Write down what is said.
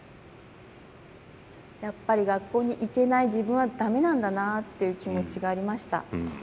やっぱり学校に行けない自分は駄目なんだなっていう気持ちがありました。